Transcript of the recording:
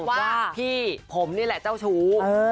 ว่าพี่ผมนี่แหละเจ้าชู้